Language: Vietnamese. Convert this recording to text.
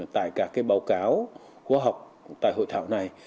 tại các báo cáo khoa học tại hội thảo này